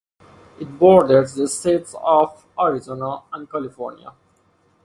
It borders the states of Arizona and California.